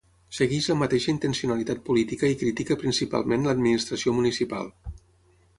Segueix la mateixa intencionalitat política i critica principalment l'administració municipal.